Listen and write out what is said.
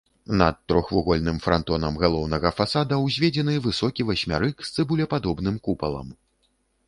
Над трохвугольным франтонам галоўнага фасада ўзведзены высокі васьмярык з цыбулепадобным купалам.